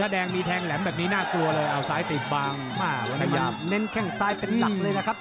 วันเดือนใดผมเหมือนกันนะครับ